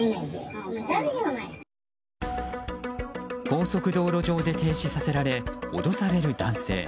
高速道路上で停止させられ脅される男性。